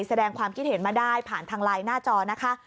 แสดงความคิดเห็นมาได้ผ่านทางไลน์หน้าจอนะคะ